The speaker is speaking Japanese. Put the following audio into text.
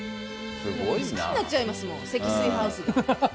好きになっちゃいますもん、積水ハウスが。